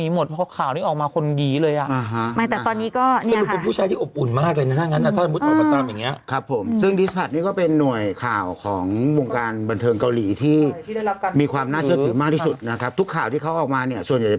หลุดรายการด้วยอะไรด้วยซีรีส์ด้วยรายการซีรีส์ต่างกำลังมาเนอะ